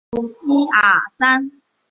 和姚慕双共同培育了大批滑稽戏人才。